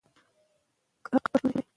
که څېړنه وي نو حقایق نه پټیږي.